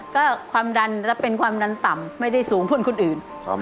ก็ความดันและเป็นความดันต่ำไม่ได้สูงเพื่อนคนอื่น